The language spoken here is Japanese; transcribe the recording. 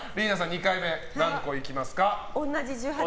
２回目何個いきますか。